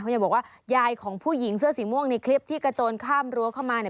ยายบอกว่ายายของผู้หญิงเสื้อสีม่วงในคลิปที่กระโจนข้ามรั้วเข้ามาเนี่ย